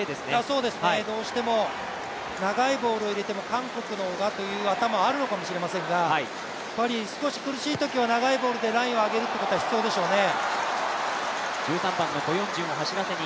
そうですね、どうしても長いボールを入れても韓国の方がという頭があるのかもしれませんが少し苦しいときは長いボールでラインを上げるということは必要でしょうね。